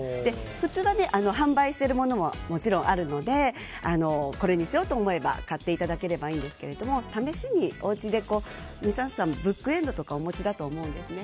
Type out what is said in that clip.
普通に販売しているものももちろんあるのでこれにしようと思えば買っていただければいいんですけども試しにおうちで皆さんブックエンドとかお持ちだと思うんですね。